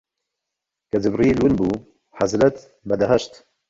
کە جیبریل ون بوو، حەزرەت بە دەهشەت